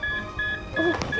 jadi saya harus keluar